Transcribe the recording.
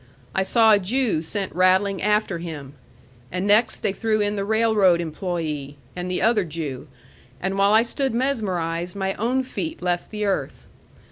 I saw a Jew sent rattling after him; and next they threw in the railroad employee, and the other Jew; and while I stood mesmerized, my own feet left the earth.